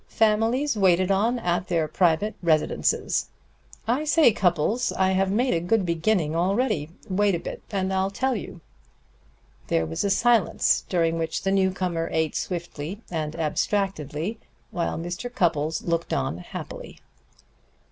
Families waited on at their private residences. I say, Cupples, I have made a good beginning already. Wait a bit, and I'll tell you." There was a silence, during which the newcomer ate swiftly and abstractedly, while Mr. Cupples looked on happily.